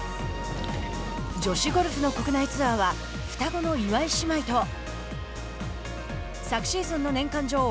女子ゴルフの国内ツアーは双子の岩井姉妹と昨シーズンの年間女王